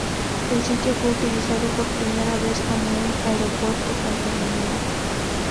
El sitio fue utilizado por primera vez como un aeropuerto con terminales.